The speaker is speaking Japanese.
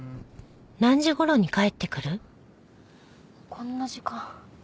こんな時間。